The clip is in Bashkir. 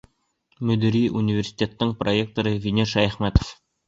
Мөдире — университеттың проректоры Винер Шәйәхмәтов.